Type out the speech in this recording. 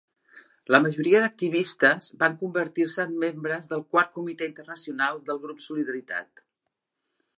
La majoria d'activistes van convertir-se en membres del Quart Comitè Internacional del grup Solidaritat.